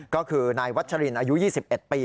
ก็คือนายวัชรินอายุ๒๑ปี